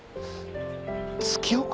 月岡？